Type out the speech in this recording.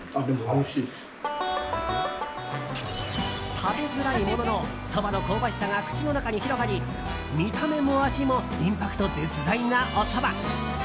食べづらいもののそばの香ばしさが口の中に広がり見た目も味もインパクト絶大なおそば！